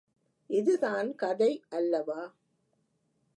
இதுதான் கதை அல்லவா?